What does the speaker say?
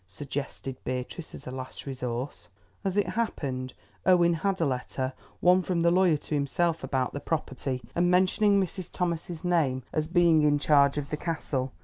suggested Beatrice as a last resource. As it happened Owen had a letter, one from the lawyer to himself about the property, and mentioning Mrs. Thomas's name as being in charge of the Castle.